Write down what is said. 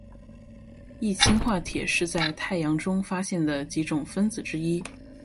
一氢化铁是在太阳中发现的几种分子之一。